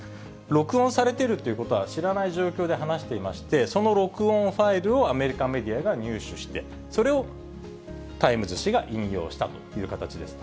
録音されてるということは知らない状況で話していまして、その録音ファイルをアメリカメディアが入手して、それをタイムズ紙が引用したという形です。